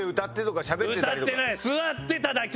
座ってただけ！